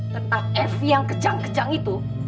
tentang efi yang kejang kejang itu